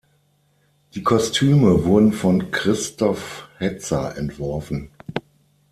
Die Kostüme wurden von Christof Hetzer entworfen.